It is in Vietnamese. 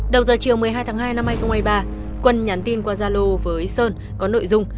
đầu giờ chiều một mươi hai tháng hai năm hai nghìn hai mươi ba quân nhắn tin qua zalo với sơn có nội dung